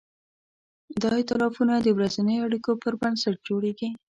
دا ایتلافونه د ورځنیو اړیکو پر بنسټ جوړېږي.